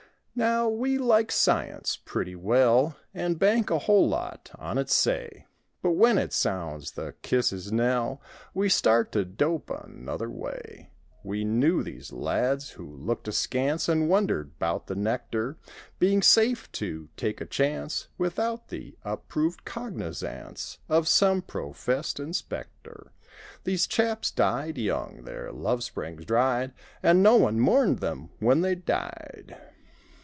Now, we like science pretty well. And bank a whole lot on its say; But when it sounds the kiss's knell We start to dope another way; We knew these lads who looked askance And wondered 'bout the nectar. Being safe to take a chance Without the approved cognizance Of some professed inspector. These chaps died young. Their love springs dried; And no one mourned them when they died.